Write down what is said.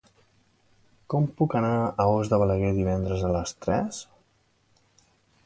Com puc anar a Os de Balaguer divendres a les tres?